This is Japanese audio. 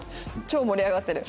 超盛り上がってる。